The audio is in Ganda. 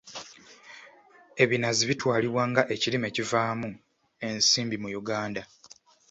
Ebinazi bitwalibwa nga ekirime ekivaamu ensimbi mu Uganda.